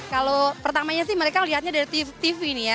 kalau pertamanya sih mereka lihatnya dari tv ini ya